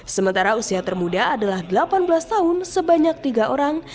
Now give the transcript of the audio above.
sementara usia termuda adalah delapan belas tahun sebanyak tiga orang